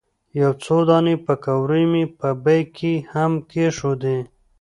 یو څو دانې پیکورې مې په بیک کې هم کېښودې.